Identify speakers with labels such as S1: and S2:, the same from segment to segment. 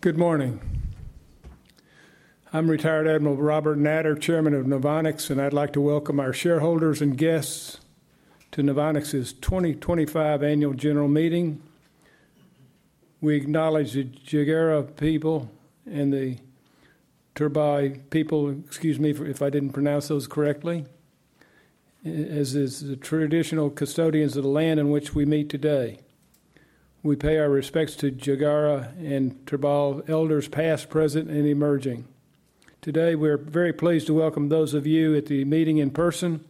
S1: Good morning. I'm Retired Admiral Robert Natter, Chairman of Novonix, and I'd like to welcome our shareholders and guests to Novonix's 2025 Annual General Meeting. We acknowledge the Jagera people and the Turrbal people—excuse me if I didn't pronounce those correctly—as the traditional custodians of the land in which we meet today. We pay our respects to Jagera and Turrbal elders, past, present, and emerging. Today, we are very pleased to welcome those of you at the meeting in person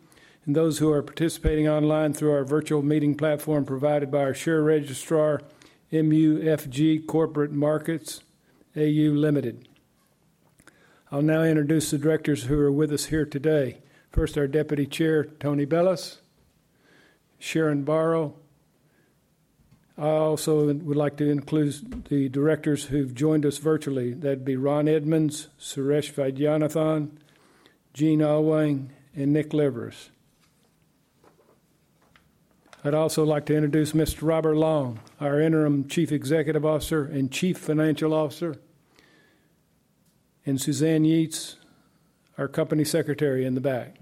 S1: and those who are participating online through our virtual meeting platform provided by our share registrar, MUFG Corporate Markets AU Limited. I'll now introduce the directors who are with us here today. First, our Deputy Chair, Tony Bellas, Sharan Burrow. I also would like to include the directors who've joined us virtually. That'd be Ron Edmonds, Suresh Vaidyanathan, Jean Oelwang, and Nick Liveris. I'd also like to introduce Mr.Robert Long, our Interim Chief Executive Officer and Chief Financial Officer, and Suzanne Yeates, our Company Secretary in the back.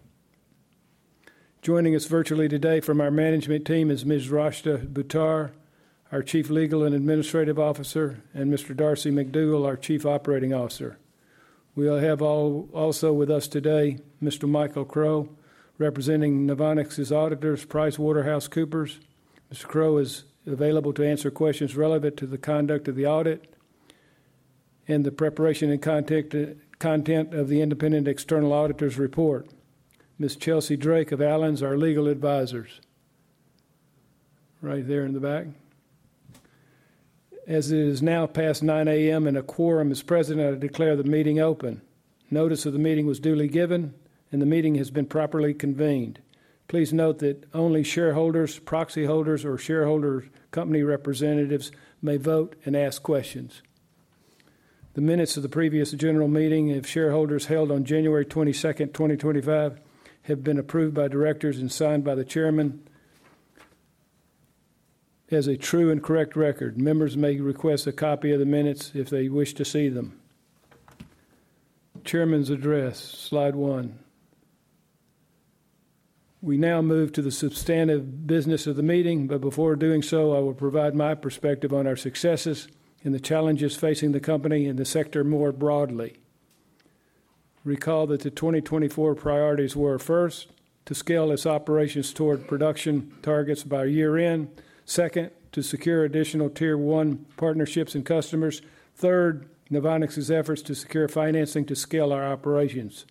S1: Joining us virtually today from our management team is Ms. Rashda Buttar, our Chief Legal and Administrative Officer, and Mr. Darcy MacDougall, our Chief Operating Officer. We have also with us today Mr. Michael Crowe, representing Novonix's auditors, PricewaterhouseCoopers. Mr. Crowe is available to answer questions relevant to the conduct of the audit and the preparation and content of the Independent External Auditor's Report. Ms. Chelsea Drake of Allens, our Legal Advisors, right there in the back. As it is now past 9:00 A.M. and a quorum, as President, I declare the meeting open. Notice of the meeting was duly given, and the meeting has been properly convened. Please note that only shareholders, proxy holders, or shareholder company representatives may vote and ask questions. The minutes of the previous General Meeting, if shareholders held on January 22nd, 2025, have been approved by directors and signed by the Chairman. As a true and correct record, members may request a copy of the minutes if they wish to see them. Chairman's Address, Slide 1. We now move to the substantive business of the meeting, but before doing so, I will provide my perspective on our successes and the challenges facing the company and the sector more broadly. Recall that the 2024 priorities were: first, to scale its operations toward production targets by year-end; second, to secure additional Tier 1 partnerships and customers; third, Novonix's efforts to secure financing to scale our operations;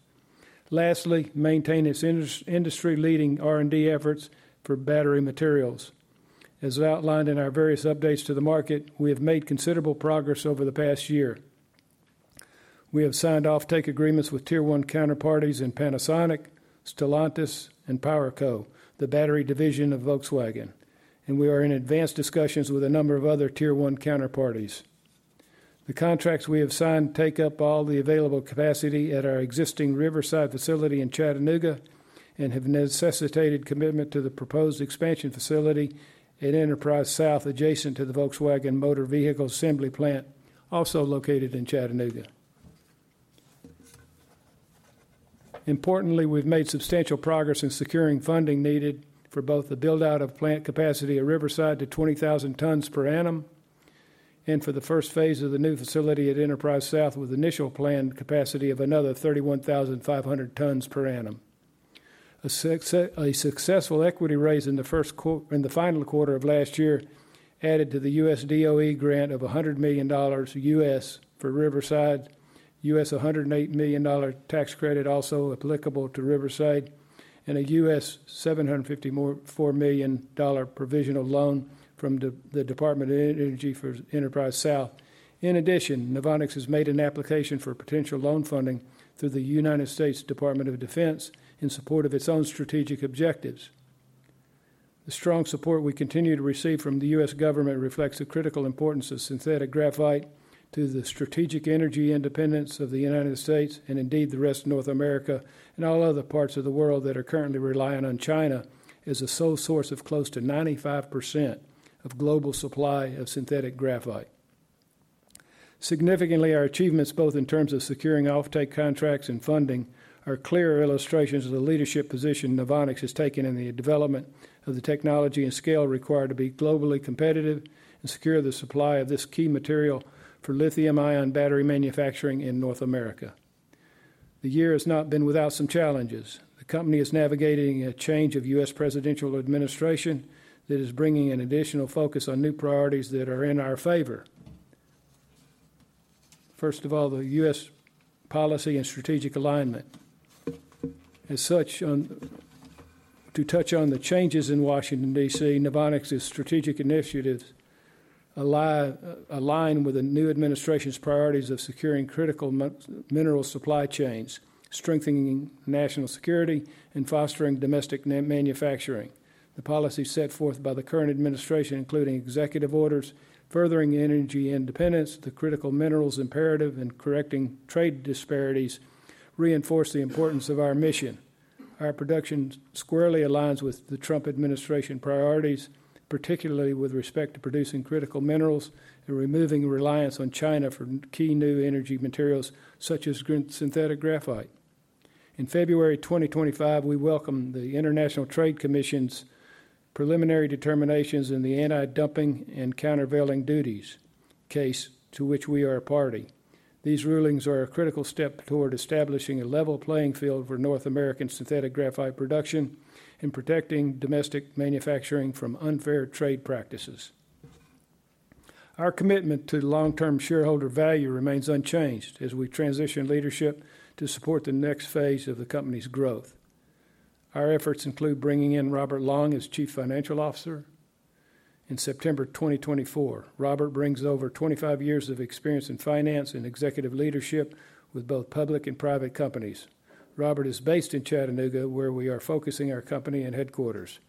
S1: lastly, maintain its industry-leading R&D efforts for battery materials. As outlined in our various updates to the market, we have made considerable progress over the past year. We have signed off-take agreements with Tier 1 counterparties in Panasonic, Stellantis, and PowerCo, the battery division of Volkswagen, and we are in advanced discussions with a number of other Tier 1 counterparties. The contracts we have signed take up all the available capacity at our existing Riverside facility in Chattanooga and have necessitated commitment to the proposed expansion facility at Enterprise South, adjacent to the Volkswagen Motor Vehicle Assembly Plant, also located in Chattanooga. Importantly, we've made substantial progress in securing funding needed for both the build-out of plant capacity at Riverside to 20,000 tons per annum and for the first phase of the new facility at Enterprise South with initial planned capacity of another 31,500 tons per annum. A successful equity raise in the final quarter of last year added to the U.S. DOE grant of $100 million for Riverside, a U.S. $108 million tax credit also applicable to Riverside, and a $754 million provisional loan from the U.S. Department of Energy for Enterprise South. In addition, Novonix has made an application for potential loan funding through the U.S. Department of Defense in support of its own strategic objectives. The strong support we continue to receive from the U.S. government reflects the critical importance of synthetic graphite to the strategic energy independence of the United States and indeed the rest of North America and all other parts of the world that are currently reliant on China as a sole source of close to 95% of global supply of synthetic graphite. Significantly, our achievements, both in terms of securing off-take contracts and funding, are clear illustrations of the leadership position Novonix has taken in the development of the technology and scale required to be globally competitive and secure the supply of this key material for lithium-ion battery manufacturing in North America. The year has not been without some challenges. The company is navigating a change of U.S. presidential administration that is bringing an additional focus on new priorities that are in our favor. First of all, the U.S. policy and strategic alignment. As such, to touch on the changes in Washington, D.C., Novonix's strategic initiatives align with the new administration's priorities of securing critical mineral supply chains, strengthening national security, and fostering domestic manufacturing. The policies set forth by the current administration, including executive orders furthering energy independence, the critical minerals imperative, and correcting trade disparities, reinforce the importance of our mission. Our production squarely aligns with the Trump administration priorities, particularly with respect to producing critical minerals and removing reliance on China for key new energy materials such as synthetic graphite. In February 2025, we welcome the International Trade Commission's preliminary determinations in the Anti-Dumping and Countervailing Duties case, to which we are a party. These rulings are a critical step toward establishing a level playing field for North American synthetic graphite production and protecting domestic manufacturing from unfair trade practices. Our commitment to long-term shareholder value remains unchanged as we transition leadership to support the next phase of the company's growth. Our efforts include bringing in Robert Long as Chief Financial Officer. In September 2024, Robert brings over 25 years of experience in finance and executive leadership with both public and private companies. Robert is based in Chattanooga, where we are focusing our company and headquarters.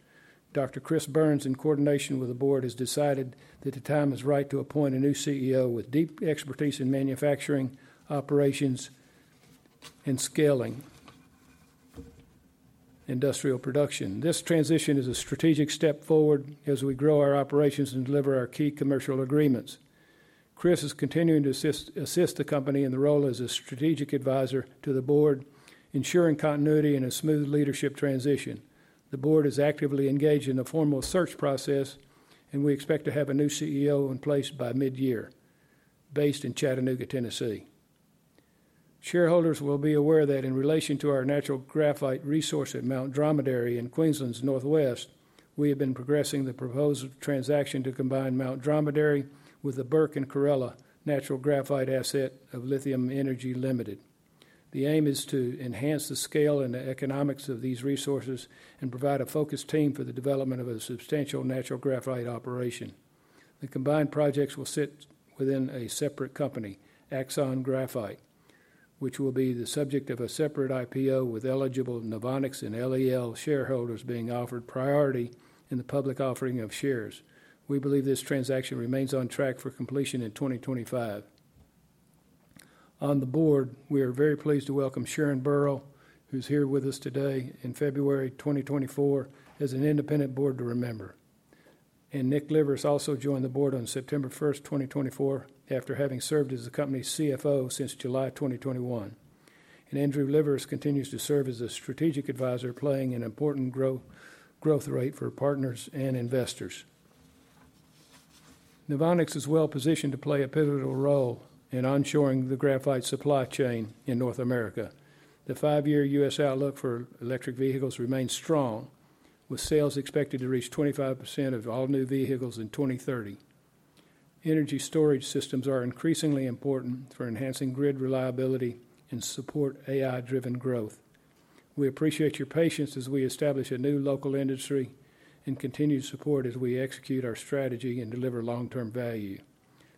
S1: Dr. Chris Burns, in coordination with the board, has decided that the time is right to appoint a new CEO with deep expertise in manufacturing operations and scaling industrial production. This transition is a strategic step forward as we grow our operations and deliver our key commercial agreements. Chris is continuing to assist the company in the role as a strategic advisor to the board, ensuring continuity and a smooth leadership transition. The board is actively engaged in the formal search process, and we expect to have a new CEO in place by mid-year, based in Chattanooga, Tennessee. Shareholders will be aware that in relation to our natural graphite resource at Mount Dromedary in Queensland's northwest, we have been progressing the proposed transaction to combine Mount Dromedary with the Burke and Corella natural graphite asset of Lithium Energy Limited. The aim is to enhance the scale and the economics of these resources and provide a focused team for the development of a substantial natural graphite operation. The combined projects will sit within a separate company, Axon Graphite, which will be the subject of a separate IPO with eligible Novonix and LEL shareholders being offered priority in the public offering of shares. We believe this transaction remains on track for completion in 2025. On the board, we are very pleased to welcome Sharon Barrow, who's here with us today in February 2024 as an independent board member. Nick Levers also joined the board on September 1, 2024, after having served as the company's CFO since July 2021. Andrew Liveris continues to serve as a strategic advisor, playing an important growth rate for partners and investors. Novonix is well positioned to play a pivotal role in onshoring the graphite supply chain in North America. The five-year U.S. outlook for electric vehicles remains strong, with sales expected to reach 25% of all new vehicles in 2030. Energy storage systems are increasingly important for enhancing grid reliability and support AI-driven growth. We appreciate your patience as we establish a new local industry and continue to support as we execute our strategy and deliver long-term value.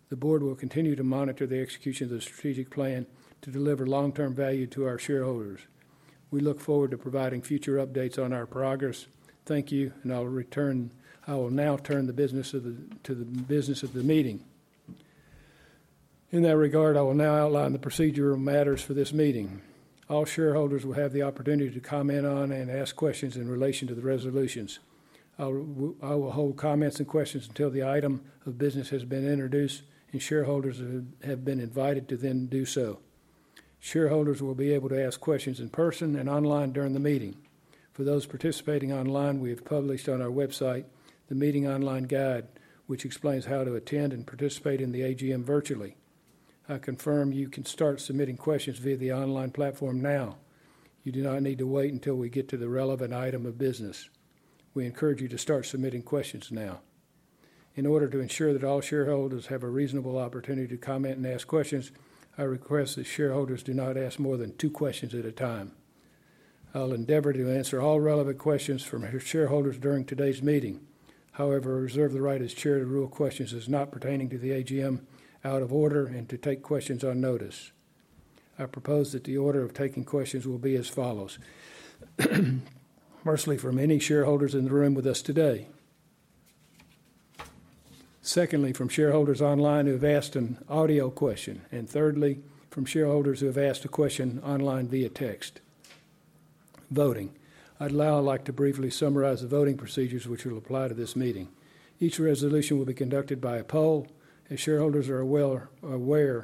S1: The board will continue to monitor the execution of the strategic plan to deliver long-term value to our shareholders. We look forward to providing future updates on our progress. Thank you, and I will now turn to the business of the meeting. In that regard, I will now outline the procedural matters for this meeting. All shareholders will have the opportunity to comment on and ask questions in relation to the resolutions. I will hold comments and questions until the item of business has been introduced, and shareholders have been invited to then do so. Shareholders will be able to ask questions in person and online during the meeting. For those participating online, we have published on our website the Meeting Online Guide, which explains how to attend and participate in the AGM virtually. I confirm you can start submitting questions via the online platform now. You do not need to wait until we get to the relevant item of business. We encourage you to start submitting questions now. In order to ensure that all shareholders have a reasonable opportunity to comment and ask questions, I request that shareholders do not ask more than two questions at a time. I'll endeavor to answer all relevant questions from shareholders during today's meeting. However, I reserve the right as Chair to rule questions as not pertaining to the AGM out of order and to take questions on notice. I propose that the order of taking questions will be as follows. Firstly, from any shareholders in the room with us today. Secondly, from shareholders online who have asked an audio question. Thirdly, from shareholders who have asked a question online via text. Voting. I'd now like to briefly summarize the voting procedures which will apply to this meeting. Each resolution will be conducted by a poll. As shareholders are aware,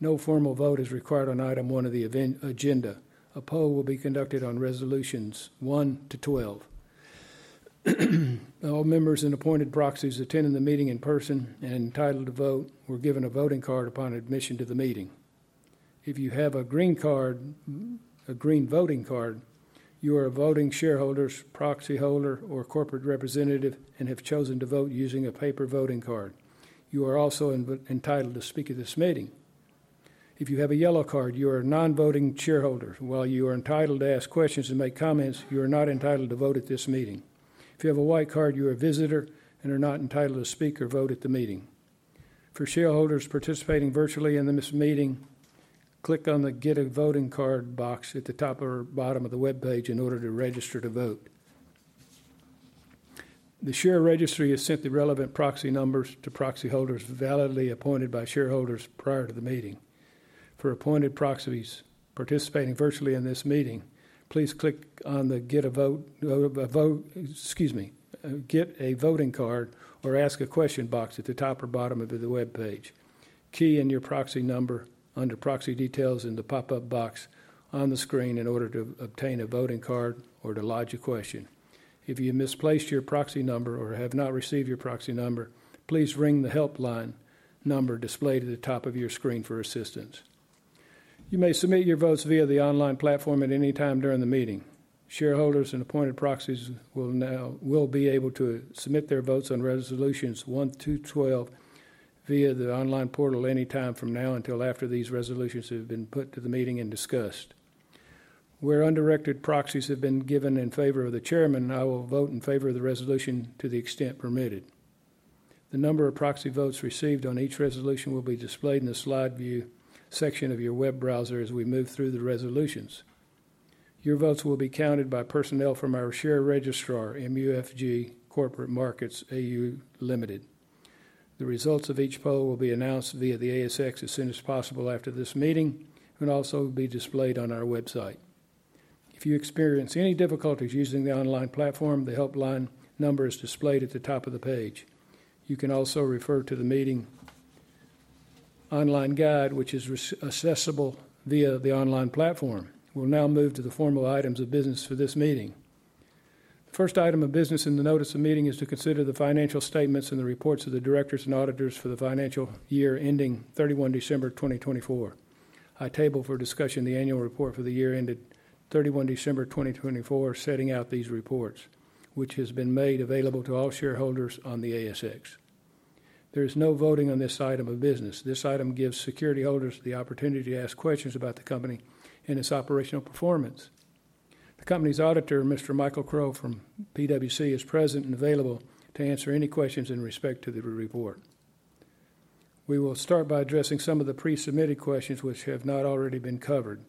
S1: no formal vote is required on item one of the agenda. A poll will be conducted on resolutions 1 to 12. All members and appointed proxies attending the meeting in person and entitled to vote were given a voting card upon admission to the meeting. If you have a green card, a green voting card, you are a voting shareholder, proxy holder, or corporate representative and have chosen to vote using a paper voting card. You are also entitled to speak at this meeting. If you have a yellow card, you are a non-voting shareholder. While you are entitled to ask questions and make comments, you are not entitled to vote at this meeting. If you have a white card, you are a visitor and are not entitled to speak or vote at the meeting. For shareholders participating virtually in this meeting, click on the Get a Voting Card box at the top or bottom of the web page in order to register to vote. The share registry has sent the relevant proxy numbers to proxy holders validly appointed by shareholders prior to the meeting. For appointed proxies participating virtually in this meeting, please click on the Get a Voting Card or Ask a Question box at the top or bottom of the web page. Key in your proxy number under Proxy Details in the pop-up box on the screen in order to obtain a voting card or to lodge a question. If you misplaced your proxy number or have not received your proxy number, please ring the helpline number displayed at the top of your screen for assistance. You may submit your votes via the online platform at any time during the meeting. Shareholders and appointed proxies will now be able to submit their votes on resolutions 1 to 12 via the online portal any time from now until after these resolutions have been put to the meeting and discussed. Where undirected proxies have been given in favor of the Chairman, I will vote in favor of the resolution to the extent permitted. The number of proxy votes received on each resolution will be displayed in the slide view section of your web browser as we move through the resolutions. Your votes will be counted by personnel from our share registrar, MUFG Corporate Markets AU Limited. The results of each poll will be announced via the ASX as soon as possible after this meeting and also will be displayed on our website. If you experience any difficulties using the online platform, the helpline number is displayed at the top of the page. You can also refer to the meeting online guide, which is accessible via the online platform. We'll now move to the formal items of business for this meeting. The first item of business in the notice of meeting is to consider the financial statements and the reports of the directors and auditors for the financial year ending 31 December 2024. I table for discussion the annual report for the year ended 31 December 2024 setting out these reports, which has been made available to all shareholders on the ASX. There is no voting on this item of business. This item gives security holders the opportunity to ask questions about the company and its operational performance. The company's auditor, Mr. Michael Crowe from PwC is present and available to answer any questions in respect to the report. We will start by addressing some of the pre-submitted questions which have not already been covered.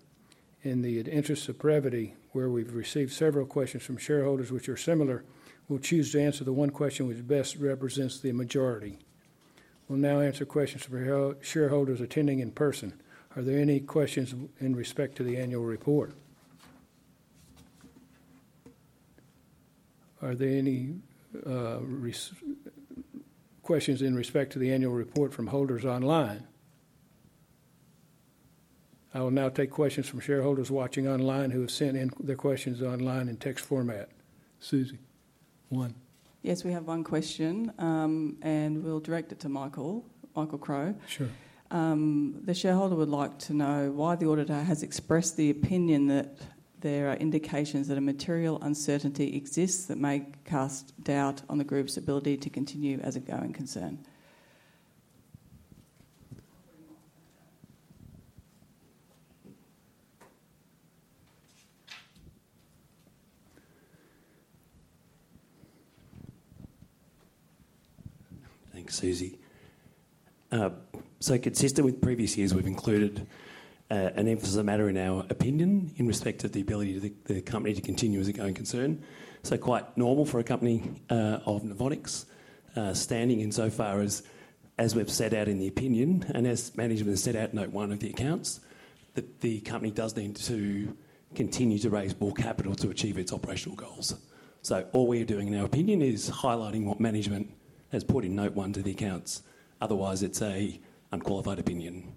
S1: In the interest of brevity, where we've received several questions from shareholders which are similar, we'll choose to answer the one question which best represents the majority. We'll now answer questions from shareholders attending in person. Are there any questions in respect to the annual report? Are there any questions in respect to the annual report from holders online? I will now take questions from shareholders watching online who have sent in their questions online in text format. Suzanne, one.
S2: Yes, we have one question, and we'll direct it to Michael, Michael Crowe. Sure. The shareholder would like to know why the auditor has expressed the opinion that there are indications that a material uncertainty exists that may cast doubt on the group's ability to continue as a going concern.
S3: Thanks, Suzanne. Consistent with previous years, we've included an emphasis matter in our opinion in respect of the ability of the company to continue as a going concern. Quite normal for a company of Novonix standing in so far as we've set out in the opinion and as management has set out in note one of the accounts that the company does need to continue to raise more capital to achieve its operational goals. All we are doing in our opinion is highlighting what management has put in note one to the accounts. Otherwise, it's an unqualified opinion.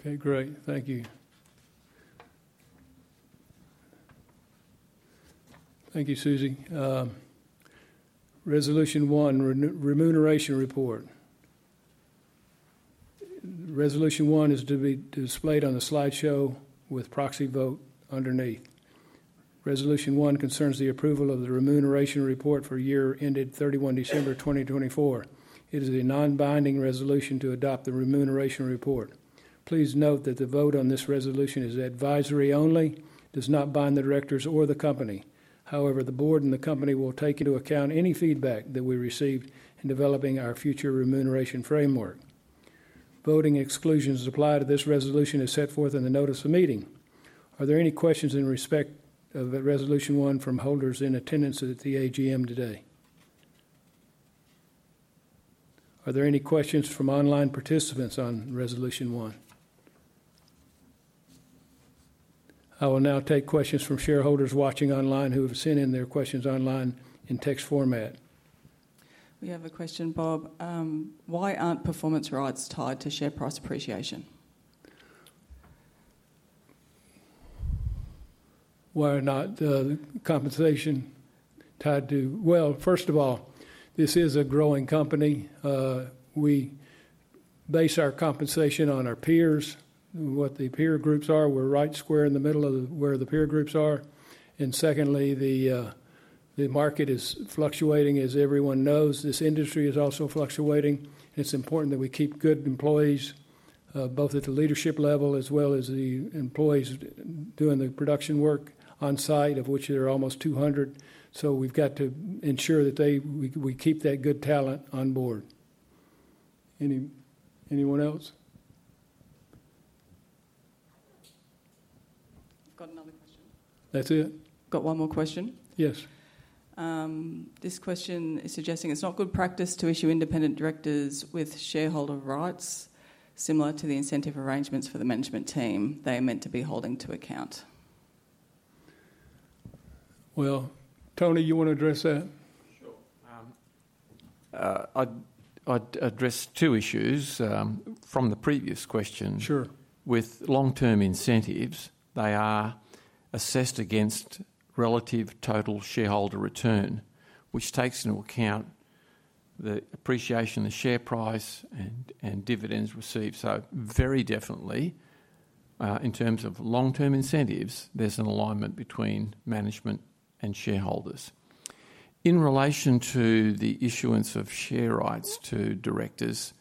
S1: Okay, great. Thank you. Thank you, Suzanne. Resolution one, remuneration report. Resolution one is to be displayed on the slideshow with proxy vote underneath. Resolution one concerns the approval of the remuneration report for year ended 31 December 2024. It is a non-binding resolution to adopt the remuneration report. Please note that the vote on this resolution is advisory only, does not bind the directors or the company. However, the board and the company will take into account any feedback that we receive in developing our future remuneration framework. Voting exclusions applied to this resolution as set forth in the notice of meeting. Are there any questions in respect of resolution one from holders in attendance at the AGM today? Are there any questions from online participants on resolution one? I will now take questions from shareholders watching online who have sent in their questions online in text format. We have a question, Bob.
S2: Why aren't performance rights tied to share price appreciation? Why are not the compensation tied to? First of all, this is a growing company. We base our compensation on our peers, what the peer groups are. We're right square in the middle of where the peer groups are. Secondly, the market is fluctuating, as everyone knows. This industry is also fluctuating. It's important that we keep good employees, both at the leadership level as well as the employees doing the production work on site, of which there are almost 200. We have to ensure that we keep that good talent on board. Anyone else? Got another question. That's it. Got one more question.
S1: Yes.
S2: This question is suggesting it's not good practice to issue independent directors with shareholder rights similar to the incentive arrangements for the management team. They are meant to be holding to account.
S1: Tony, you want to address that?
S4: Sure. I'd address two issues from the previous question. Sure. With long-term incentives, they are assessed against relative total shareholder return, which takes into account the appreciation of the share price and dividends received. Very definitely, in terms of long-term incentives, there's an alignment between management and shareholders. In relation to the issuance of share rights to directors,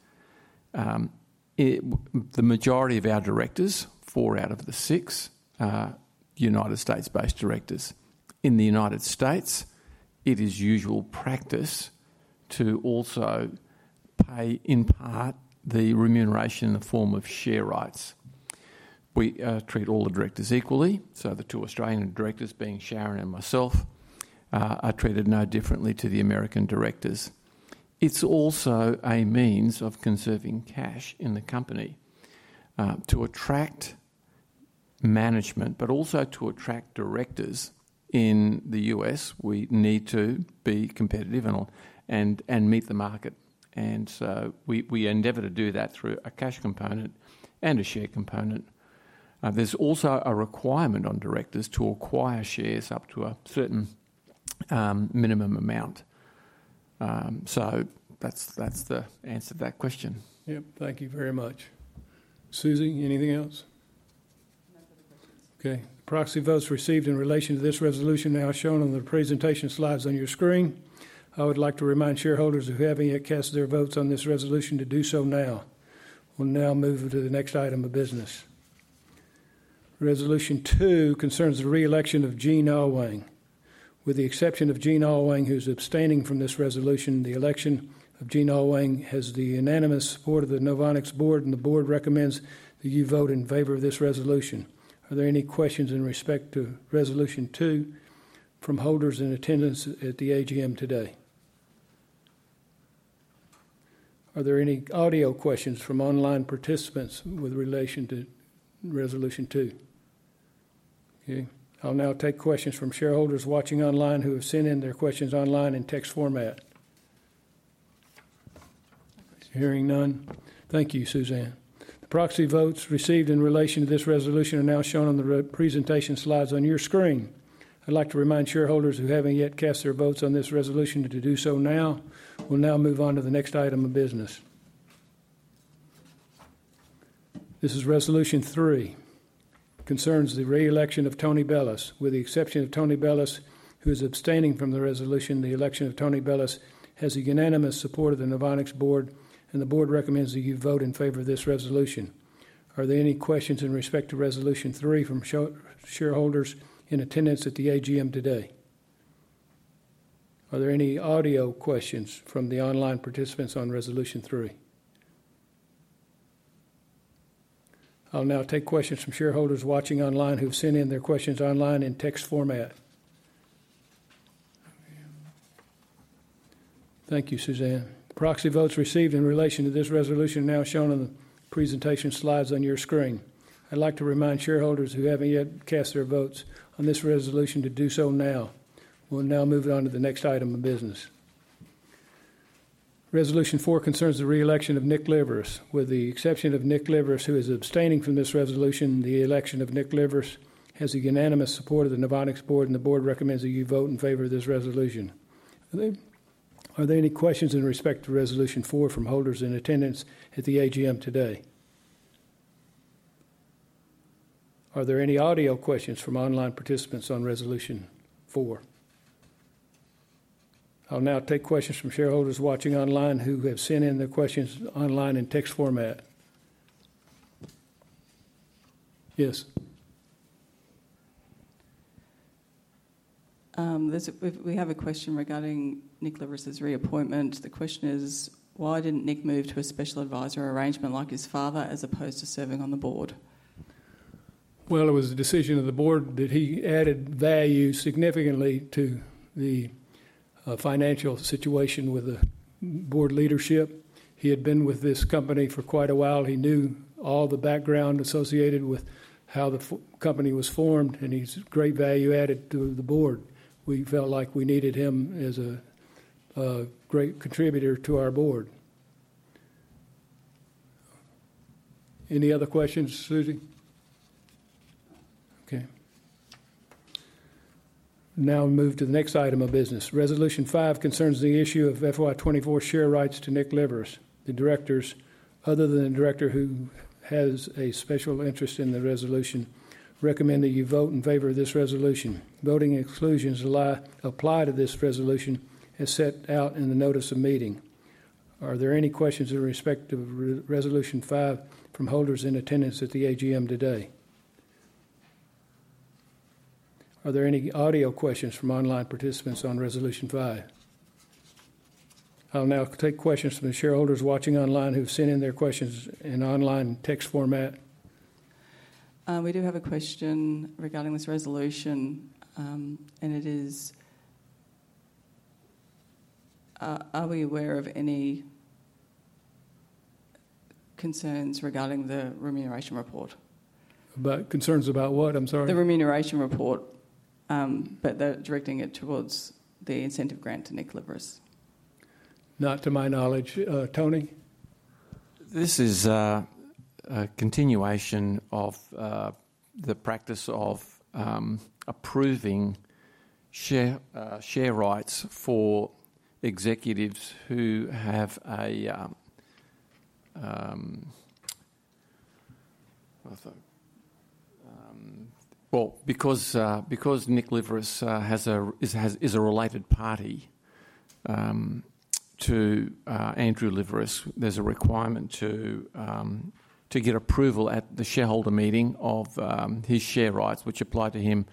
S4: the majority of our directors, four out of the six, are United States-based directors. In the United States, it is usual practice to also pay in part the remuneration in the form of share rights. We treat all the directors equally. The two Australian directors, being Sharon and myself, are treated no differently to the American directors. It's also a means of conserving cash in the company to attract management, but also to attract directors.
S1: In the U.S., we need to be competitive and meet the market. We endeavor to do that through a cash component and a share component. There's also a requirement on directors to acquire shares up to a certain minimum amount. That's the answer to that question.
S4: Yep.
S1: Thank you very much. Suzanne, anything else? Okay. Proxy votes received in relation to this resolution are now shown on the presentation slides on your screen. I would like to remind shareholders if you haven't yet cast their votes on this resolution to do so now. We'll now move to the next item of business. Resolution two concerns the reelection of Gene Alwang. With the exception of Gene Alwang, who's abstaining from this resolution, the election of Gene Alwang has the unanimous support of the Novonix board, and the board recommends that you vote in favor of this resolution. Are there any questions in respect to resolution two from holders in attendance at the AGM today? Are there any audio questions from online participants with relation to resolution two? Okay. I'll now take questions from shareholders watching online who have sent in their questions online in text format. Hearing none. Thank you, Suzanne. The proxy votes received in relation to this resolution are now shown on the presentation slides on your screen. I'd like to remind shareholders who haven't yet cast their votes on this resolution to do so now. We'll now move on to the next item of business. This is resolution three. Concerns the reelection of Tony Bellas. With the exception of Tony Bellas, who is abstaining from the resolution, the election of Tony Bellas has the unanimous support of the Novonix board, and the board recommends that you vote in favor of this resolution. Are there any questions in respect to resolution three from shareholders in attendance at the AGM today? Are there any audio questions from the online participants on resolution three? I'll now take questions from shareholders watching online who've sent in their questions online in text format. Thank you, Suzanne. Proxy votes received in relation to this resolution are now shown on the presentation slides on your screen. I'd like to remind shareholders who haven't yet cast their votes on this resolution to do so now. We'll now move on to the next item of business. Resolution four concerns the reelection of Nick Levers. With the exception of Nick Levers, who is abstaining from this resolution, the election of Nick Levers has the unanimous support of the Novonix board, and the board recommends that you vote in favor of this resolution. Are there any questions in respect to resolution four from holders in attendance at the AGM today? Are there any audio questions from online participants on resolution four? I'll now take questions from shareholders watching online who have sent in their questions online in text format. Yes.
S2: We have a question regarding Nick Levers' reappointment. The question is, why didn't Nick move to a special advisor arrangement like his father as opposed to serving on the board?
S1: It was a decision of the board that he added value significantly to the financial situation with the board leadership. He had been with this company for quite a while. He knew all the background associated with how the company was formed, and he's great value added to the board. We felt like we needed him as a great contributor to our board. Any other questions, Suzanne? Okay. Now we'll move to the next item of business. Resolution five concerns the issue of FY24 share rights to Nick Levers. The directors, other than the director who has a special interest in the resolution, recommend that you vote in favor of this resolution. Voting exclusions apply to this resolution as set out in the notice of meeting. Are there any questions in respect to resolution five from holders in attendance at the AGM today? Are there any audio questions from online participants on resolution five? I'll now take questions from the shareholders watching online who've sent in their questions in online text format.
S2: We do have a question regarding this resolution, and it is, are we aware of any concerns regarding the remuneration report?
S1: About concerns about what? I'm sorry.
S2: The remuneration report, but they're directing it towards the incentive grant to Nick Levers.
S1: Not to my knowledge. Tony?
S4: This is a continuation of the practice of approving share rights for executives who have a, well, because Nick Liveris is a related party to Andrew Liveris, there's a requirement to get approval at the shareholder meeting of his share rights, which apply to him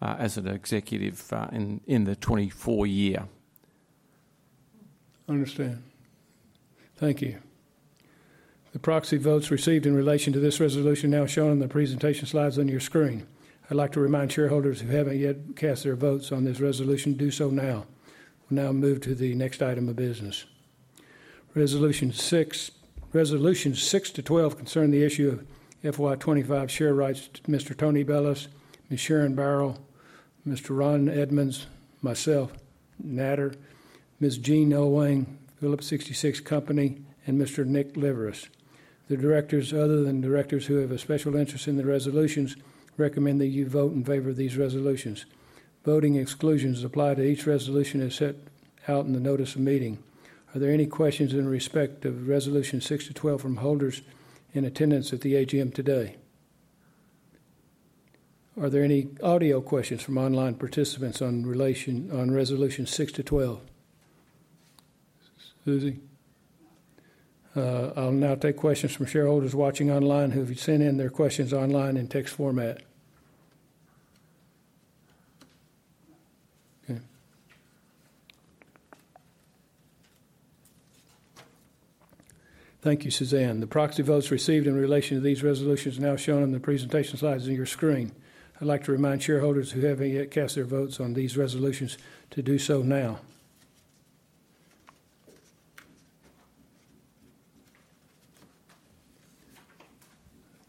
S4: as an executive in the 2024 year. I understand. Thank you.
S1: The proxy votes received in relation to this resolution now shown on the presentation slides on your screen. I'd like to remind shareholders who haven't yet cast their votes on this resolution to do so now. We'll now move to the next item of business. Resolution 6 to 12 concern the issue of FY25 share rights to Mr. Tony Bellas, Ms. Sharan Barrow, Mr. Ron Edmonds, myself, Nader, Ms. Gene Alwang, Phillips 66 Company, and Mr. Nick Levers. The directors, other than directors who have a special interest in the resolutions, recommend that you vote in favor of these resolutions. Voting exclusions apply to each resolution as set out in the notice of meeting. Are there any questions in respect of resolution 6 to 12 from holders in attendance at the AGM today? Are there any audio questions from online participants on resolution 6 to 12? Suzanne? I'll now take questions from shareholders watching online who've sent in their questions online in text format. Okay. Thank you, Suzanne. The proxy votes received in relation to these resolutions now shown on the presentation slides on your screen. I'd like to remind shareholders who haven't yet cast their votes on these resolutions to do so now.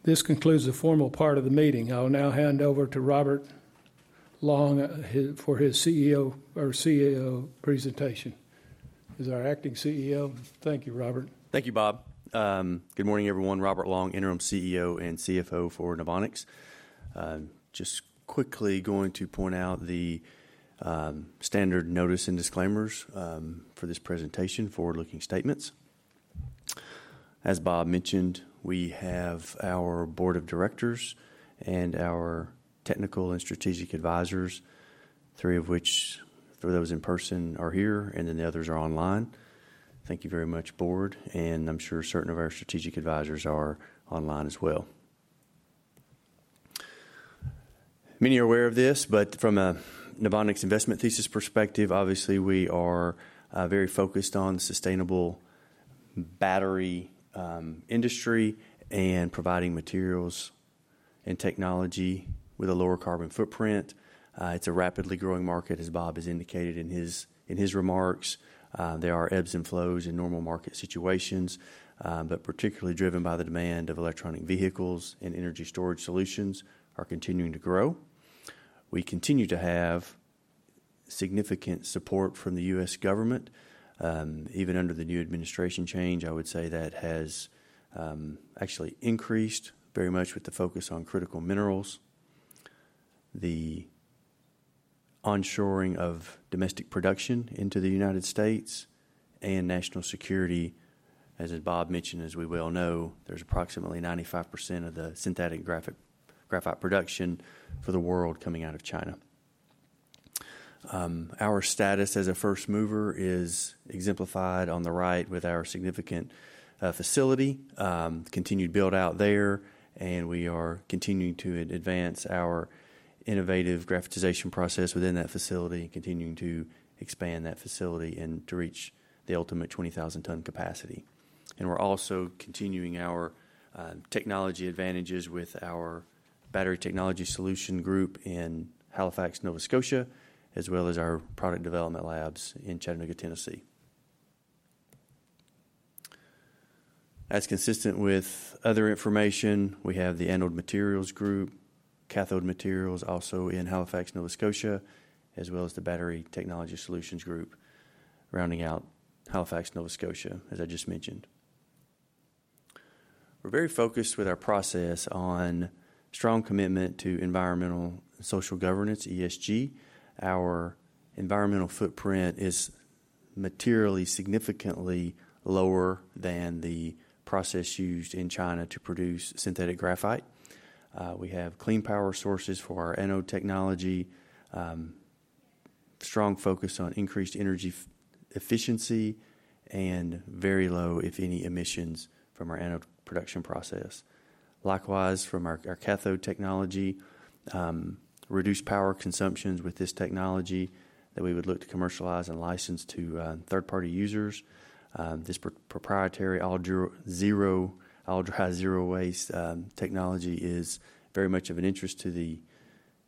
S1: This concludes the formal part of the meeting. I'll now hand over to Robert Long for his CEO presentation. He's our acting CEO. Thank you, Robert.
S5: Thank you, Bob. Good morning, everyone. Robert Long, interim CEO and CFO for Novonix. Just quickly going to point out the standard notice and disclaimers for this presentation forward-looking statements. As Bob mentioned, we have our board of directors and our technical and strategic advisors, three of which, for those in person, are here, and then the others are online. Thank you very much, board. I'm sure certain of our strategic advisors are online as well. Many are aware of this, but from a Novonix investment thesis perspective, obviously, we are very focused on the sustainable battery industry and providing materials and technology with a lower carbon footprint. It's a rapidly growing market, as Bob has indicated in his remarks. There are ebbs and flows in normal market situations, but particularly driven by the demand of electronic vehicles and energy storage solutions are continuing to grow. We continue to have significant support from the U.S. government. Even under the new administration change, I would say that has actually increased very much with the focus on critical minerals. The onshoring of domestic production into the United States and national security, as Bob mentioned, as we well know, there's approximately 95% of the synthetic graphite production for the world coming out of China. Our status as a first mover is exemplified on the right with our significant facility, continued build-out there, and we are continuing to advance our innovative graphitization process within that facility, continuing to expand that facility and to reach the ultimate 20,000-ton capacity. We are also continuing our technology advantages with our battery technology solution group in Halifax, Nova Scotia, as well as our product development labs in Chattanooga, Tennessee. As consistent with other information, we have the anode materials group, cathode materials also in Halifax, Nova Scotia, as well as the battery technology solutions group rounding out Halifax, Nova Scotia, as I just mentioned. We are very focused with our process on strong commitment to environmental and social governance, ESG. Our environmental footprint is materially significantly lower than the process used in China to produce synthetic graphite. We have clean power sources for our anode technology, strong focus on increased energy efficiency, and very low, if any, emissions from our anode production process. Likewise, from our cathode technology, reduced power consumptions with this technology that we would look to commercialize and license to third-party users. This proprietary zero-zero waste technology is very much of an interest to the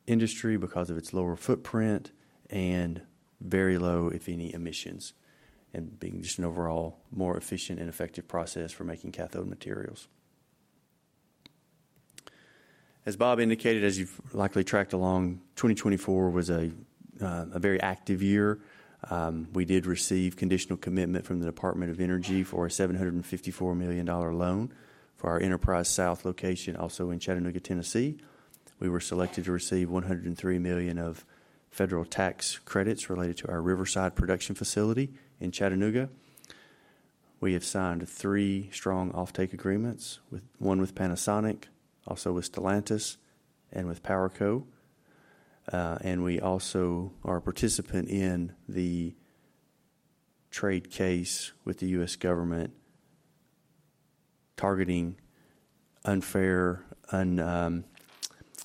S5: industry because of its lower footprint and very low, if any, emissions and being just an overall more efficient and effective process for making cathode materials. As Bob indicated, as you've likely tracked along, 2024 was a very active year. We did receive conditional commitment from the U.S. Department of Energy for a $754 million loan for our Enterprise South location, also in Chattanooga, Tennessee. We were selected to receive $103 million of federal tax credits related to our Riverside production facility in Chattanooga. We have signed three strong offtake agreements, one with Panasonic, also with Stellantis, and with PowerCo. We also are a participant in the trade case with the U.S. government targeting unfair,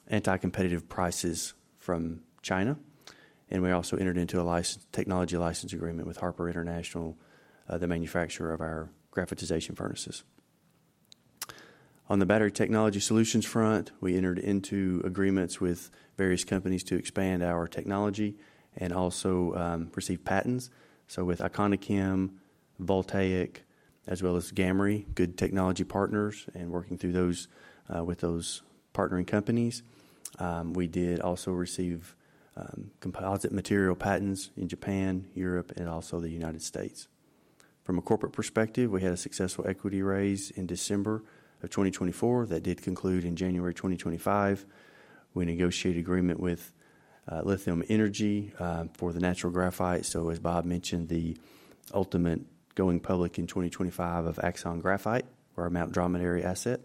S5: anti-competitive prices from China. We also entered into a technology license agreement with Harper International, the manufacturer of our graphitization furnaces. On the battery technology solutions front, we entered into agreements with various companies to expand our technology and also receive patents. With Iconicam, Voltaiq, as well as Gamry, good technology partners, and working through those with those partnering companies. We did also receive composite material patents in Japan, Europe, and also the United States. From a corporate perspective, we had a successful equity raise in December of 2024 that did conclude in January 2025. We negotiated agreement with Lithium Energy for the natural graphite. As Bob mentioned, the ultimate going public in 2025 of Axon Graphite, our Mount Dromedary asset.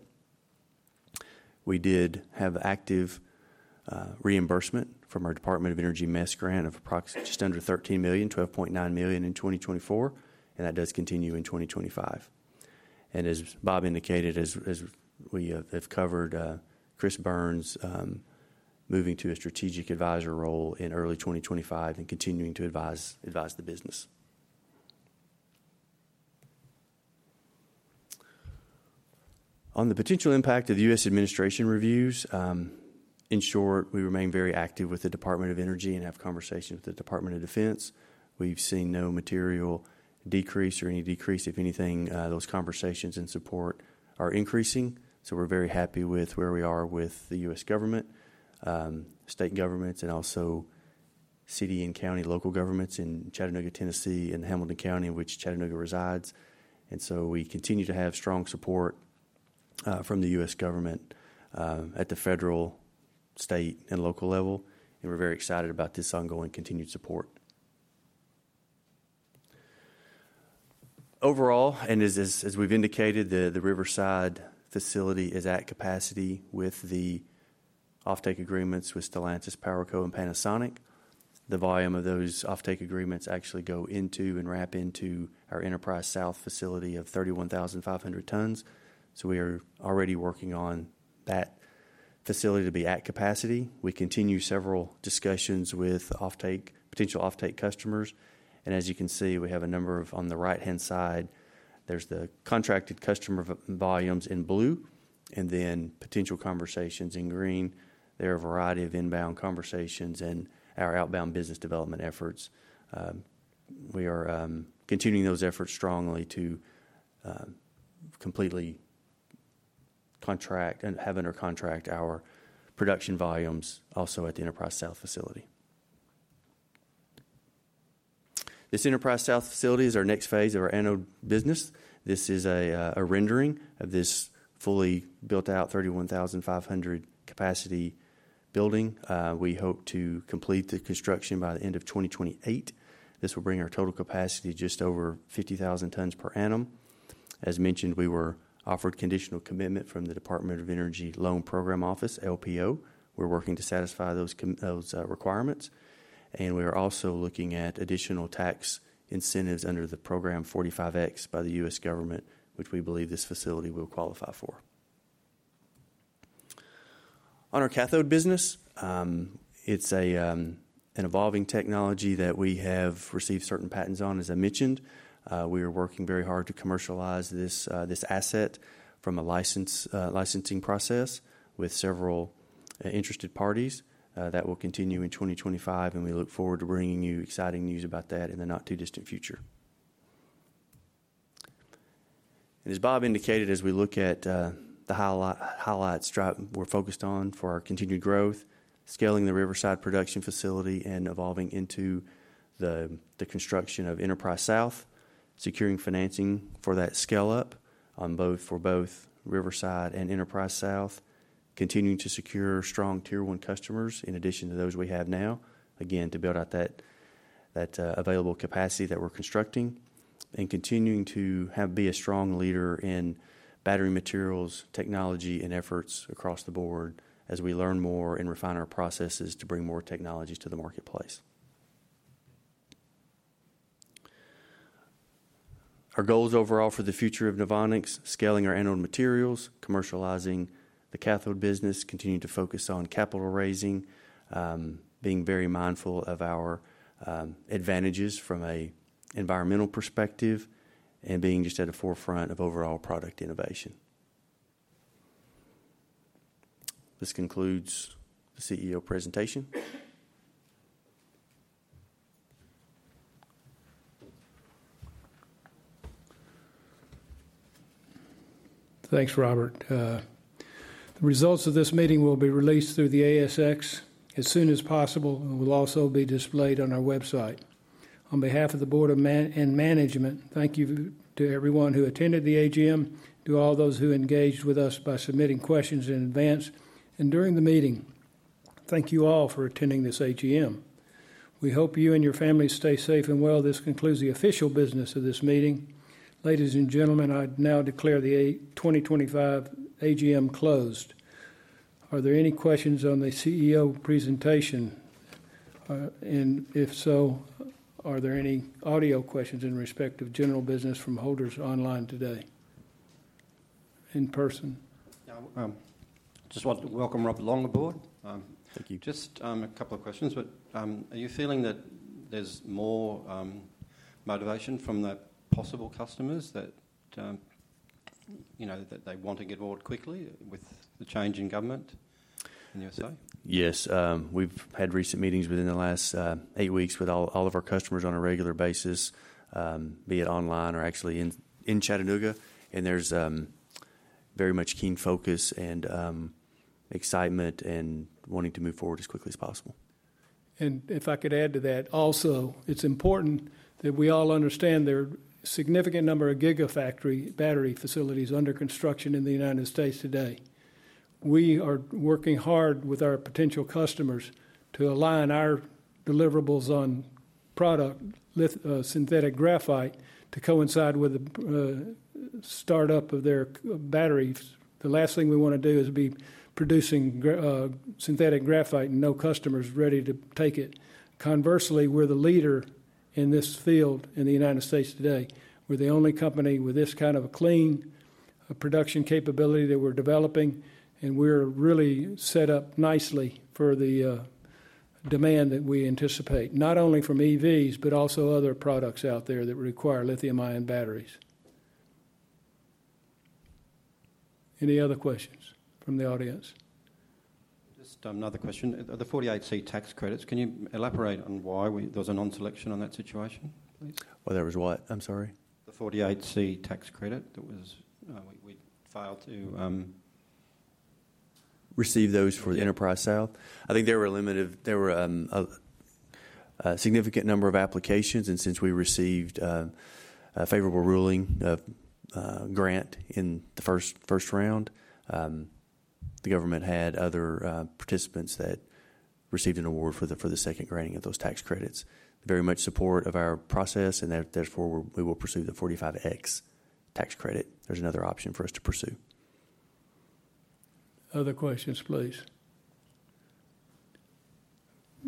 S5: We did have active reimbursement from our U.S. Department of Energy MESC grant of just under $13 million, $12.9 million in 2024, and that does continue in 2025. As Bob indicated, as we have covered, Chris Burns moving to a strategic advisor role in early 2025 and continuing to advise the business. On the potential impact of U.S. administration reviews, in short, we remain very active with the U.S. Department of Energy and have conversations with the Department of Defense. We have seen no material decrease or any decrease. If anything, those conversations and support are increasing. We are very happy with where we are with the U.S. government, state governments, and also city and county local governments in Chattanooga, Tennessee, and Hamilton County, in which Chattanooga resides. We continue to have strong support from the U.S. government at the federal, state, and local level. We are very excited about this ongoing continued support. Overall, and as we've indicated, the Riverside facility is at capacity with the offtake agreements with Stellantis, PowerCo, and Panasonic. The volume of those offtake agreements actually go into and wrap into our Enterprise South facility of 31,500 tons. We are already working on that facility to be at capacity. We continue several discussions with potential offtake customers. As you can see, we have a number of, on the right-hand side, there's the contracted customer volumes in blue, and then potential conversations in green. There are a variety of inbound conversations and our outbound business development efforts. We are continuing those efforts strongly to completely have under contract our production volumes also at the Enterprise South facility. This Enterprise South facility is our next phase of our anode business. This is a rendering of this fully built-out 31,500 capacity building. We hope to complete the construction by the end of 2028. This will bring our total capacity to just over 50,000 tons per annum. As mentioned, we were offered conditional commitment from the U.S. Department of Energy Loan Program Office, LPO. We are working to satisfy those requirements. We are also looking at additional tax incentives under the program 45X by the U.S. government, which we believe this facility will qualify for. On our cathode business, it is an evolving technology that we have received certain patents on, as I mentioned. We are working very hard to commercialize this asset from a licensing process with several interested parties that will continue in 2025. We look forward to bringing you exciting news about that in the not too distant future. As Bob indicated, as we look at the highlights we're focused on for our continued growth, scaling the Riverside production facility and evolving into the construction of Enterprise South, securing financing for that scale-up for both Riverside and Enterprise South, continuing to secure strong tier-one customers in addition to those we have now, again, to build out that available capacity that we're constructing, and continuing to be a strong leader in battery materials technology and efforts across the board as we learn more and refine our processes to bring more technologies to the marketplace. Our goals overall for the future of Novonix: scaling our anode materials, commercializing the cathode business, continuing to focus on capital raising, being very mindful of our advantages from an environmental perspective, and being just at the forefront of overall product innovation. This concludes the CEO presentation.
S1: Thanks, Robert. The results of this meeting will be released through the ASX as soon as possible and will also be displayed on our website. On behalf of the board and management, thank you to everyone who attended the AGM, to all those who engaged with us by submitting questions in advance and during the meeting. Thank you all for attending this AGM. We hope you and your families stay safe and well. This concludes the official business of this meeting. Ladies and gentlemen, I now declare the 2025 AGM closed. Are there any questions on the CEO presentation? If so, are there any audio questions in respect of general business from holders online today in person?
S6: I just want to welcome Robert Long aboard. Thank you. Just a couple of questions. Are you feeling that there's more motivation from the possible customers that they want to get on board quickly with the change in government in the U.S.A.?
S5: Yes. We've had recent meetings within the last eight weeks with all of our customers on a regular basis, be it online or actually in Chattanooga. There is very much keen focus and excitement and wanting to move forward as quickly as possible.
S1: If I could add to that, also, it's important that we all understand there are a significant number of gigafactory battery facilities under construction in the United States today. We are working hard with our potential customers to align our deliverables on product, synthetic graphite, to coincide with the startup of their batteries. The last thing we want to do is be producing synthetic graphite and no customers ready to take it. Conversely, we're the leader in this field in the United States today. We're the only company with this kind of a clean production capability that we're developing. We're really set up nicely for the demand that we anticipate, not only from EVs, but also other products out there that require lithium-ion batteries. Any other questions from the audience?
S6: Just another question. The 48C tax credits, can you elaborate on why there was a non-selection on that situation, please? Why there was what? I'm sorry. The 48C tax credit that was we filed to receive those for the Enterprise South.
S5: I think there were a significant number of applications. Since we received a favorable ruling grant in the first round, the government had other participants that received an award for the second granting of those tax credits. Very much support of our process. Therefore, we will pursue the 45X tax credit. There's another option for us to pursue.
S1: Other questions, please.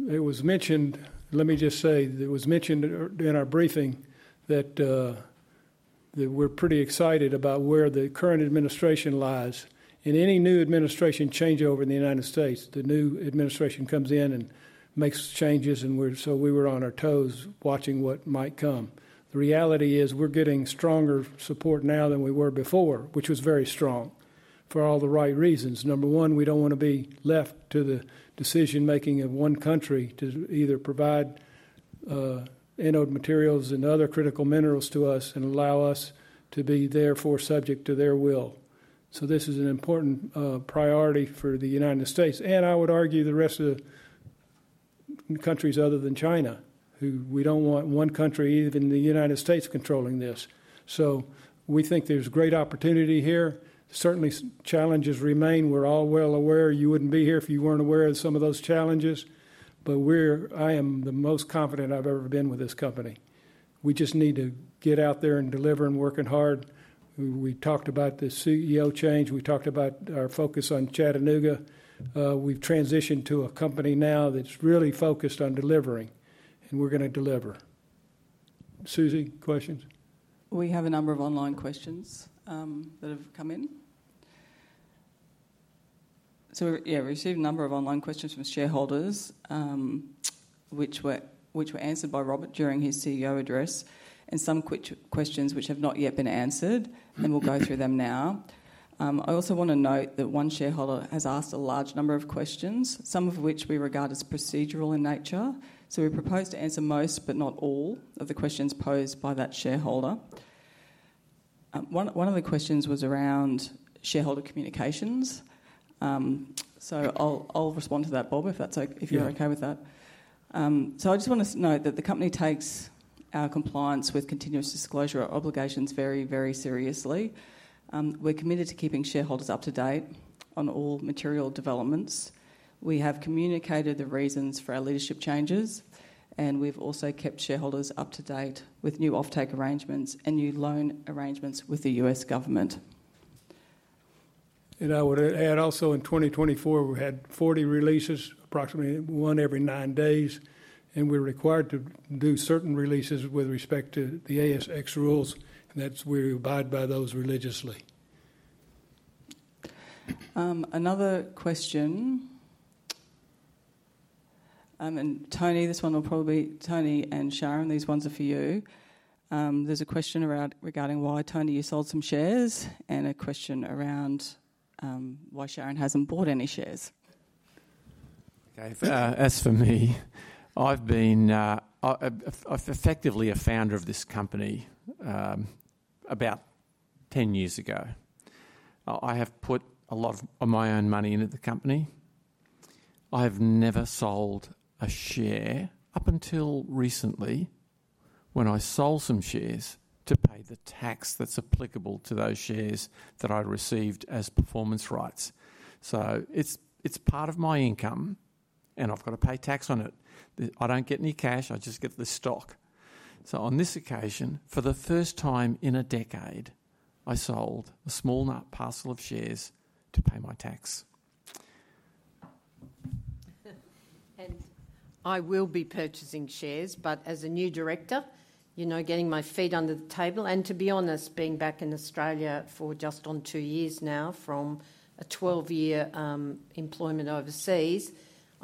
S1: It was mentioned, let me just say that it was mentioned in our briefing that we're pretty excited about where the current administration lies. In any new administration changeover in the United States, the new administration comes in and makes changes. We were on our toes watching what might come. The reality is we're getting stronger support now than we were before, which was very strong for all the right reasons. Number one, we do not want to be left to the decision-making of one country to either provide anode materials and other critical minerals to us and allow us to be therefore subject to their will. This is an important priority for the United States. I would argue the rest of the countries other than China, who we do not want one country, even the United States, controlling this. We think there is great opportunity here. Certainly, challenges remain. We are all well aware. You would not be here if you were not aware of some of those challenges. I am the most confident I have ever been with this company. We just need to get out there and deliver and working hard. We talked about the CEO change. We talked about our focus on Chattanooga. We have transitioned to a company now that is really focused on delivering. We are going to deliver. Suzanne, questions?
S2: We have a number of online questions that have come in. Yeah, we received a number of online questions from shareholders, which were answered by Robert during his CEO address, and some questions which have not yet been answered. We'll go through them now. I also want to note that one shareholder has asked a large number of questions, some of which we regard as procedural in nature. We propose to answer most, but not all, of the questions posed by that shareholder. One of the questions was around shareholder communications. I'll respond to that, Bob, if you're okay with that. I just want to note that the company takes our compliance with continuous disclosure obligations very, very seriously. We're committed to keeping shareholders up to date on all material developments. We have communicated the reasons for our leadership changes. We have also kept shareholders up to date with new offtake arrangements and new loan arrangements with the U.S. government. I would add also in 2024, we had 40 releases, approximately one every nine days. We are required to do certain releases with respect to the ASX rules. We abide by those religiously. Another question. Tony, this one will probably be Tony and Sharon. These ones are for you. There is a question regarding why Tony has sold some shares and a question around why Sharon has not bought any shares.
S4: As for me, I have been effectively a founder of this company about 10 years ago. I have put a lot of my own money into the company. I have never sold a share up until recently when I sold some shares to pay the tax that is applicable to those shares that I received as performance rights. It is part of my income, and I have to pay tax on it. I do not get any cash. I just get the stock. On this occasion, for the first time in a decade, I sold a small parcel of shares to pay my tax.
S7: I will be purchasing shares. As a new director, getting my feet under the table, and to be honest, being back in Australia for just on two years now from a 12-year employment overseas,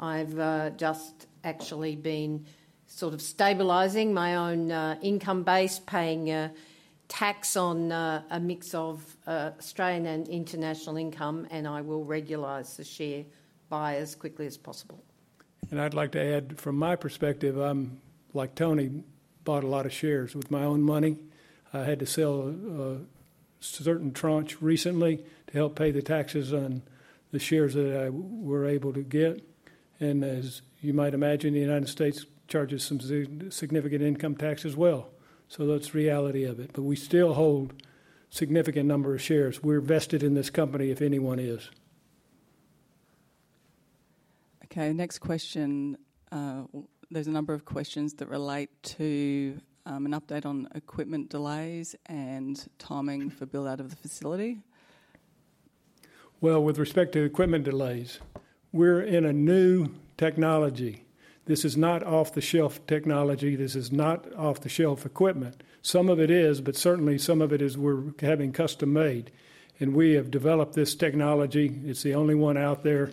S7: I have just actually been sort of stabilizing my own income base, paying tax on a mix of Australian and international income. I will regularize the share buy as quickly as possible.
S1: I would like to add, from my perspective, like Tony, bought a lot of shares with my own money. I had to sell a certain tranche recently to help pay the taxes on the shares that I were able to get. As you might imagine, the U.S. charges some significant income tax as well. That is the reality of it. We still hold a significant number of shares. We are vested in this company, if anyone is.
S2: Okay. Next question. There are a number of questions that relate to an update on equipment delays and timing for build-out of the facility.
S1: With respect to equipment delays, we are in a new technology. This is not off-the-shelf technology. This is not off-the-shelf equipment. Some of it is, but certainly some of it is we are having custom made. We have developed this technology. It is the only one out there.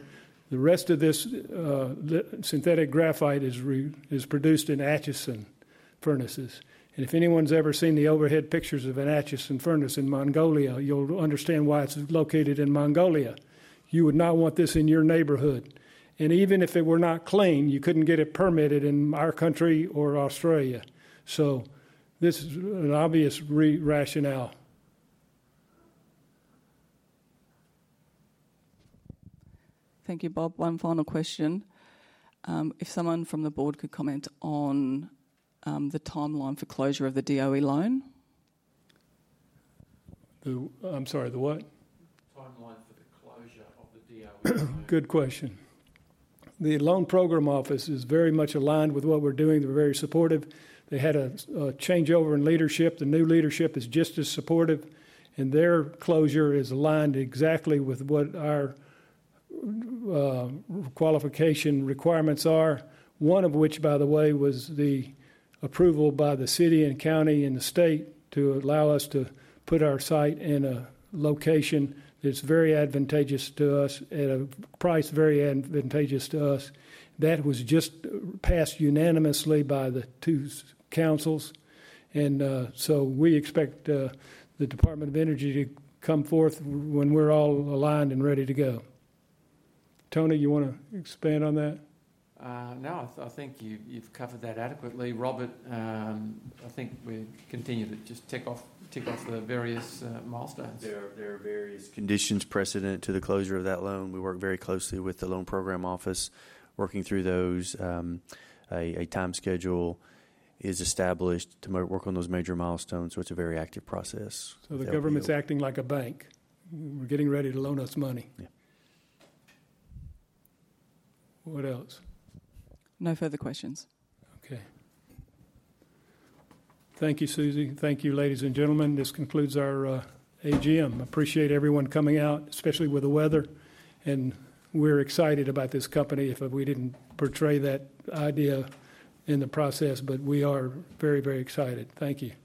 S1: The rest of this synthetic graphite is produced in Atchison furnaces. If anyone's ever seen the overhead pictures of an Atchison furnace in Mongolia, you'll understand why it's located in Mongolia. You would not want this in your neighborhood. Even if it were not clean, you couldn't get it permitted in our country or Australia. This is an obvious rationale.
S2: Thank you, Bob. One final question. If someone from the board could comment on the timeline for closure of the DOE loan.
S1: I'm sorry, the what?
S8: Timeline for the closure of the DOE.
S1: Good question. The loan program office is very much aligned with what we're doing. They're very supportive. They had a changeover in leadership. The new leadership is just as supportive. Their closure is aligned exactly with what our qualification requirements are, one of which, by the way, was the approval by the city and county and the state to allow us to put our site in a location that is very advantageous to us at a price very advantageous to us. That was just passed unanimously by the two councils. We expect the Department of Energy to come forth when we are all aligned and ready to go. Tony, you want to expand on that?
S4: No. I think you have covered that adequately. Robert, I think we continue to just tick off the various milestones.
S5: There are various conditions precedent to the closure of that loan. We work very closely with the loan program office, working through those. A time schedule is established to work on those major milestones. It is a very active process.
S1: The government's acting like a bank. We're getting ready to loan us money. What else?
S2: No further questions.
S1: Okay. Thank you, Suzanne. Thank you, ladies and gentlemen. This concludes our AGM. Appreciate everyone coming out, especially with the weather. We're excited about this company if we didn't portray that idea in the process. We are very, very excited. Thank you.